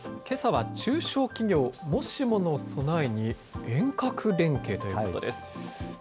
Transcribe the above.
けさは中小企業、もしもの備えに遠隔連携ということです。